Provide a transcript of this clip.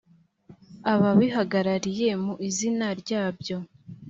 ababihagarariye mu izina ryabyo